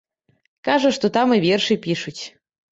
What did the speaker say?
Кажа, што там і вершы пішуць.